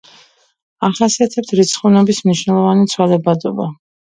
ახასიათებთ რიცხოვნობის მნიშვნელოვანი ცვალებადობა.